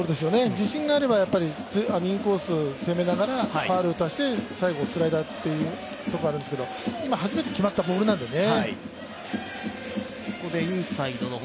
自信があればインコース攻めながらファウル打たせて最後、スライダーというところがあるんですけど、今初めて決まったボールなんでね。